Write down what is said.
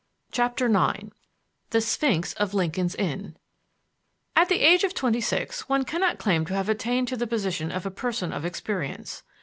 CHAPTER IX THE SPHINX OF LINCOLN'S INN At the age of twenty six one cannot claim to have attained to the position of a person of experience.